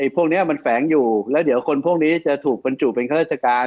พวกนี้มันแฝงอยู่แล้วเดี๋ยวคนพวกนี้จะถูกบรรจุเป็นข้าราชการ